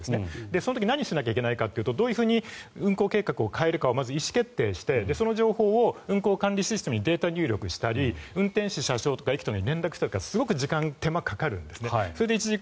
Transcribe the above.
その時に何をしなきゃいけないかというとどういうふうに運行計画を変えるかを意思決定してその情報を運行管理システムにデータ入力したり運転士、車掌とか駅とかに連絡をしたりすごい時間とか手間がかかるんですね。